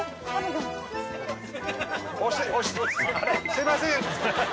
すいません。